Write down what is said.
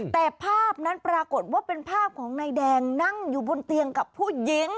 แต่ภาพนั้นปรากฏว่าเป็นภาพของนายแดงนั่งอยู่บนเตียงกับผู้หญิง